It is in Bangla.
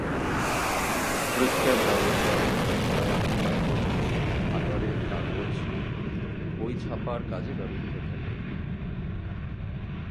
Foolscap, double crown, royal, demy প্রভৃতি আকারের কাগজ বই ছাপার কাজে ব্যবহৃত হয়ে থাকে।